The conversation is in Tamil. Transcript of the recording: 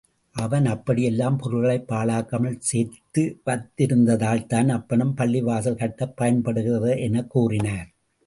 அவன் அப்படியெல்லாம் பொருள்களைப் பாழாக்காமல் சேர்த்து வைத்திருந்ததனால்தான், அப்பணம் பள்ளிவாசல் கட்டப் பயன்படுகிறது எனக் கூறினார்.